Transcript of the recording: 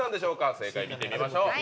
正解見てみましょう。